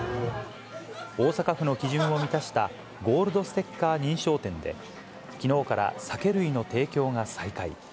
大阪府の基準を満たしたゴールドステッカー認証店で、きのうから酒類の提供が再開。